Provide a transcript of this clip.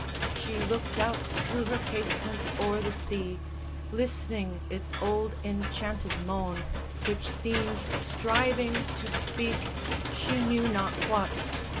She looked out through her casement o'er the sea, Listening its old enchanted moan, which seemed Striving to speak, she knew not what.